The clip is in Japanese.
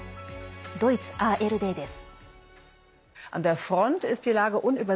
ドイツＡＲＤです。